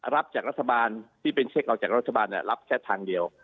รับจากรัฐบาลที่เป็นเช็คออกจากรัฐบาลรับแค่ทางเดียว